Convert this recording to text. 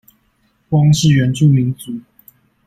光是原住民族